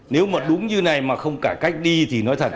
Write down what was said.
nếu mà đúng như này mà không cả cách đi thì nói thật